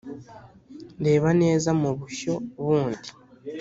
reba neza mu bushyo bundi